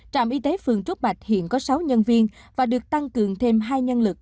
trạm y tế phường trúc bạch hiện có sáu nhân viên và được tăng cường thêm hai nhân lực